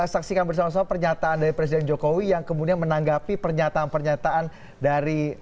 saksikan bersama sama pernyataan dari presiden jokowi yang kemudian menanggapi pernyataan pernyataan dari